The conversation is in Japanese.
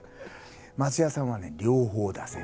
松也さんはね両方出せる。